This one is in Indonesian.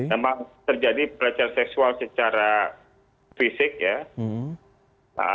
memang terjadi pelecehan seksual secara fisik ya